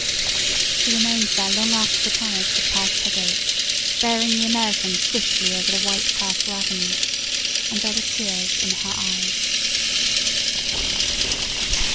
She remained there long after the carriage had passed her gates, bearing the Americans swiftly over the white Castle Avenue, and there were tears in her eyes.